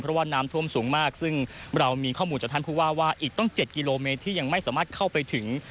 เพราะว่าน้ำท่วมสูงมากซึ่งเรามีข้อมูลจากท่านผู้ว่าว่าอีกต้อง๗กิโลเมตรที่ยังไม่สามารถเข้าไปถึง